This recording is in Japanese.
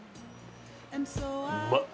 うまっ！